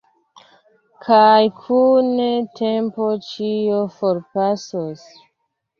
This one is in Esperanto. Kaj kun tempo ĉio forpasos.